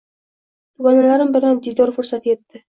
Dugonalarim bilan diydor fursati etdi